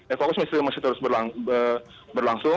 evakuasi masih terus berlangsung